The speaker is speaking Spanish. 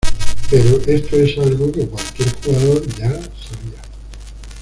Pero esto es algo que cualquier jugador ya sabía.